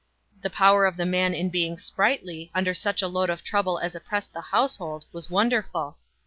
The power of the man in being sprightly under such a load of trouble as oppressed the household, was wonderful.